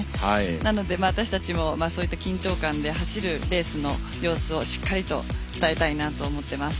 なので、私たちもそういった緊張感で走るレースの様子をしっかりと伝えたいなと思っています。